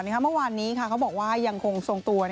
เมื่อวานนี้เขาบอกว่ายังคงทรงตัว